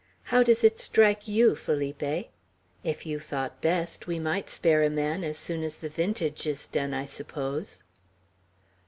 How does it strike you, Felipe' If you thought best, we might spare a man as soon as the vintage is done, I suppose."